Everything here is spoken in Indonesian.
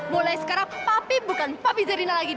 mulai sekarang pavi bukan papi zerina lagi